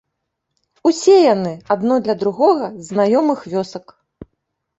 Усе яны, адно для другога, з знаёмых вёсак.